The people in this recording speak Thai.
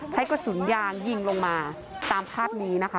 ใช้กระสุนยางยิงลงมาตามภาพนี้นะคะ